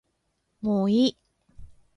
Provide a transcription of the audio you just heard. もういい